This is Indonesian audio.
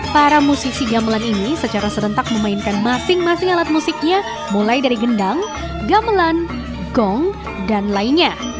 para musisi gamelan ini secara serentak memainkan masing masing alat musiknya mulai dari gendang gamelan gong dan lainnya